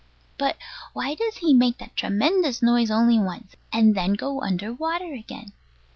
But why does he make that tremendous noise only once, and then go under water again?